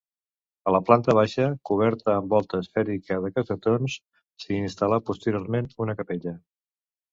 A la planta baixa, coberta amb volta esfèrica de cassetons, s'hi instal·là posteriorment una capella.